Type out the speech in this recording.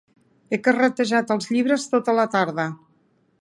He carretejat els llibres tota la tarda.